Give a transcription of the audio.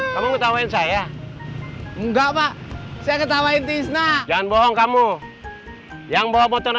kamu ketawain saya enggak pak saya ketawain tisna dan bohong kamu yang bawa motor